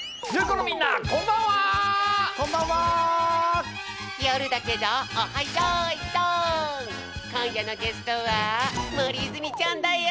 こんやのゲストは森泉ちゃんだよ！